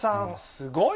すごい！